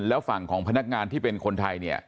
แล้วฝั่งของพนักงานที่เป็นคนไทยเนี่ย